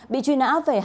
bị truy nã về hai tội là